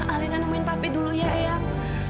alena nemuin papi dulu ya eang